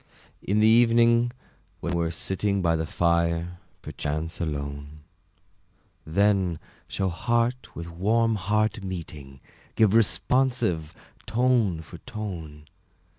In the evening, when we're sitting By the fire, perchance alone, Then shall heart with warm heart meeting, Give responsive tone for tone.